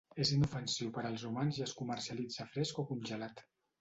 És inofensiu per als humans i es comercialitza fresc o congelat.